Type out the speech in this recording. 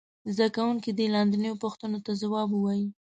زده کوونکي دې لاندې پوښتنو ته ځواب ووايي.